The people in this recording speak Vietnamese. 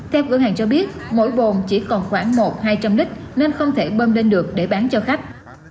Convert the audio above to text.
theo cửa hàng cho biết mỗi bồn chỉ còn khoảng một hai trăm linh lít nên không thể bơm lên được để bán cho khách